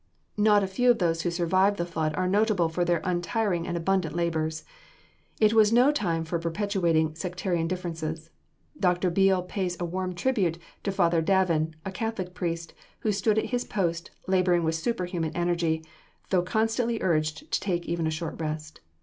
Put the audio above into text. Not a few of those who survived the flood are notable for their untiring and abundant labors. It was no time for perpetuating sectarian differences. Dr. Beale pays a warm tribute to Father Davin, a Catholic priest, who stood at his post, laboring with superhuman energy, though constantly urged to take even a short rest.